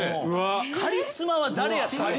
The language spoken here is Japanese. カリスマは誰やったのか？